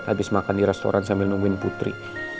habis makan di restoran sambil nungguin putri